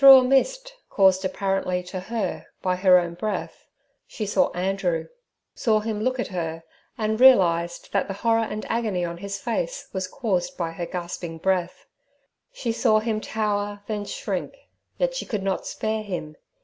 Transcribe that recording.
Through a mist, caused apparently to her, by her own breath, she saw Andrew—saw him look at her, and realized that the horror and agony on his face was caused by her gasping breath. She saw him tower, then shrink, yet she could not spare him.